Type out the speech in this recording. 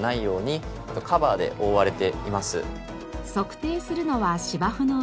測定するのは芝生の上。